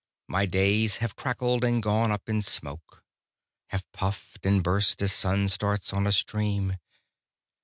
My days have crackled and gone up in smoke, Have puffed and burst as sun starts on a stream.